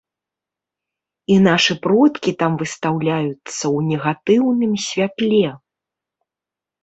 І нашы продкі там выстаўляюцца ў негатыўным святле.